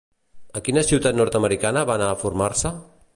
A quina ciutat nord-americana va anar a formar-se?